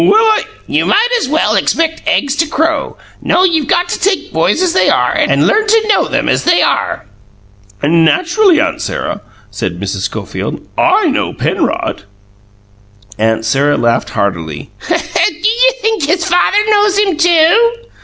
"Well, I " "You might as well expect eggs to crow. No; you've got to take boys as they are, and learn to know them as they are." "Naturally, Aunt Sarah," said Mrs. Schofield, "I KNOW Penrod." Aunt Sarah laughed heartily. "Do you think his father knows him, too?"